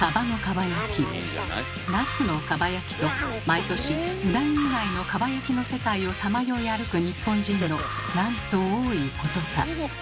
毎年うなぎ以外のかば焼きの世界をさまよい歩く日本人のなんと多いことか。